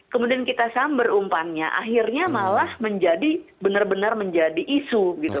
kemudian kita samber umpannya akhirnya malah menjadi benar benar menjadi isu gitu